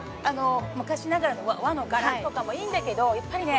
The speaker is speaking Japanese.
昔ながらの和の柄とかもいいんだけどやっぱりね